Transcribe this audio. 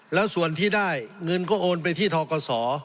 แล้วส่วนที่ได้เงินก็โอนไปที่ทกศ